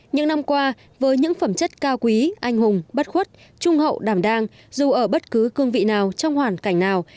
những năm qua với những phẩm chất cao quý anh hùng bất khuất trung hậu đảm đang dù ở bất cứ cương vị nào trong hoàn cảnh nào